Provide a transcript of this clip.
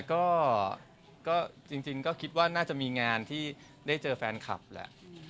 ก็จริงก็คิดว่าน่าจะมีงานที่ได้เจอแฟนคลับแหละ